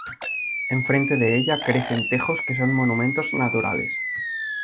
Enfrente de ella crecen tejos que son monumentos naturales.